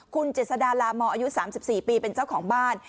คุณเจษดาลามออายุ๓๔ปีเป็นเจ้าของบ้าน